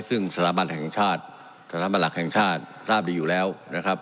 ซึ่งสถาบันแห่งชาติสถาบันหลักแห่งชาติทราบดีอยู่แล้วนะครับ